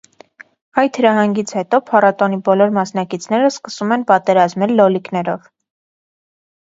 Այդ հրահանգից հետո փառատոնի բոլոր մասնակիցները սկսում են պատերազմել լոլիկներով։